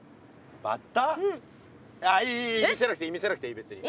見せなくていい見せなくていいべつに。